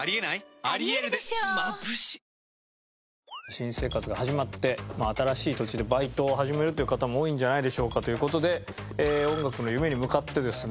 新生活が始まって新しい土地でバイトを始めるという方も多いんじゃないでしょうかという事で音楽の夢に向かってですね